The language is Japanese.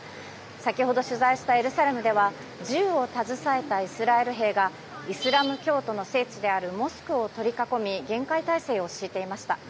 先ほど取材したエルサレムでは銃を携えたイスラエル兵がイスラエル教徒の聖地であるモスクを取り囲み厳戒態勢を敷いていました。